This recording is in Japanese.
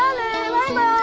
バイバイ！